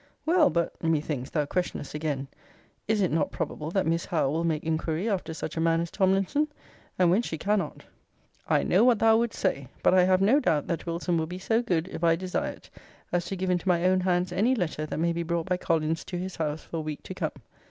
'Well but, methinks, thou questionest again, Is it not probable that Miss Howe will make inquiry after such a man as Tomlinson? And when she cannot ' I know what thou wouldst say but I have no doubt, that Wilson will be so good, if I desire it, as to give into my own hands any letter that may be brought by Collins to his house, for a week to come.